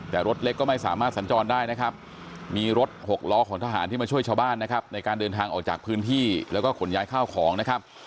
แต่รถเล็กก็ไม่สามารถสัญจรได้นะครับมีรถหกล้อของทหารที่มาช่วยชาวบ้านนะครับในการเดินทางออกจากพื้นที่แล้วก็ขนย้ายข้าวของนะครับ